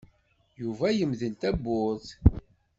Yuba yemdel tawwurt.